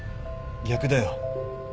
逆だよ。